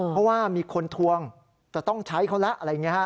เพราะว่ามีคนทวงจะต้องใช้เขาแล้วอะไรอย่างนี้ฮะ